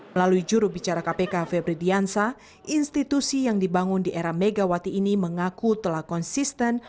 melalui jurubicara kpk febri diansa institusi yang dibangun di era megawati ini mengaku telah konsisten